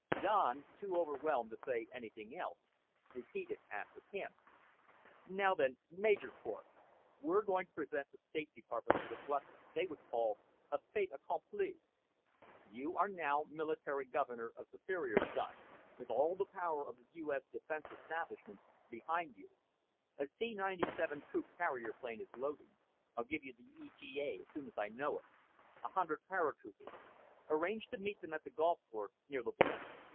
Don, too overwhelmed to say anything else, repeated after him. "Now then, Major Cort, we're going to present the State Department with what they would call a fait accompli. You are now Military Governor of Superior, son, with all the power of the U.S. Defense Establishment behind you. A C 97 troop carrier plane is loading. I'll give you the ETA as soon as I know it. A hundred paratroopers. Arrange to meet them at the golf course, near the blimp.